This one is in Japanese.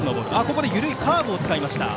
ここで緩いカーブを使いました。